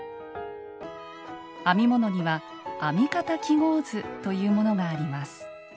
編み物には「編み方記号図」というものがあります。